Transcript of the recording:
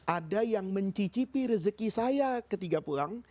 ada yang mencicipi rezeki saya ketika pulang